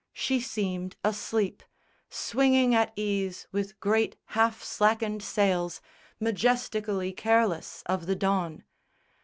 She seemed asleep, Swinging at ease with great half slackened sails, Majestically careless of the dawn.